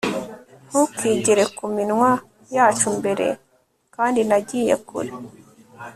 Ntukigere ku minwa yacu mbere Kandi nagiye kure